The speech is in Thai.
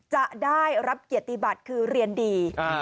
จะได้รับเกียรติบัติคือเรียนดี